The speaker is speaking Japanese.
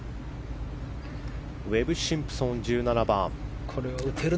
ウェブ・シンプソン１７番。